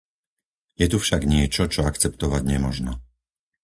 Je tu však niečo, čo akceptovať nemožno.